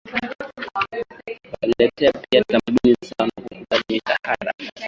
walileta pia tamaduni zao na kukubali mishahara